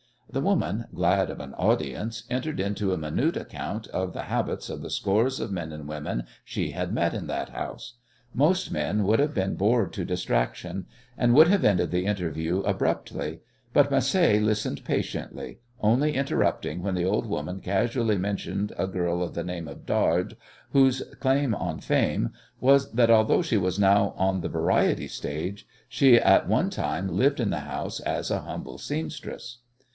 The woman, glad of an audience, entered into a minute account of the habits of the scores of men and women she had met in that house. Most men would have been bored to distraction, and would have ended the interview abruptly, but Macé listened patiently, only interrupting when the old woman casually mentioned a girl of the name of Dard, whose claim on fame was that, although she was now on the variety stage, she at one time lived in the house as a humble seamstress.